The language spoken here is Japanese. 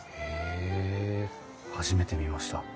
へえ初めて見ました。